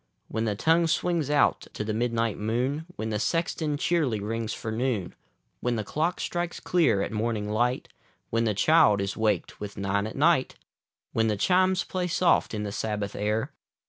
When the tonirue swino;s out to the midnin; ht moon— When the sexton checrly rings for noon — When the clock strikes clear at morning light — When the child is waked with " nine at night" — When the chimes play soft in the Sabbath air.